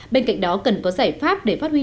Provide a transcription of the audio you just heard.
bên cạnh đó cần có giải pháp để phát huy